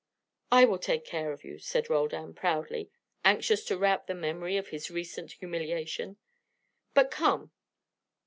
"I will take care of you," said Roldan, proudly, anxious to rout the memory of his recent humiliation. "But come."